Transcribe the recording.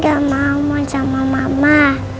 gak mau sama mama